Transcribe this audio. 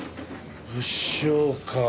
物証か。